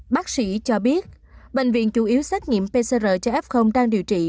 bác sĩ cho biết bệnh viện chủ yếu xét nghiệm pcr cho f đang điều trị